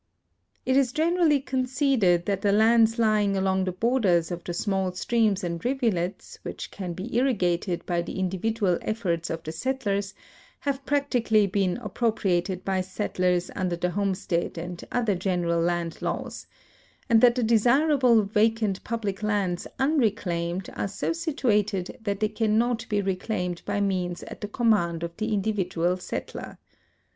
It is generally conceded that the lands lying along the borders of the small streams and rivulets, which can be irrigated by the individual efforts of the settlers, have practically been appro priated by settlers under the homestead and other general land laws, and that the desirable vacant public lands unreclaimed are so situated that they cannot be reclaimed by means at the com mand of the individual settler.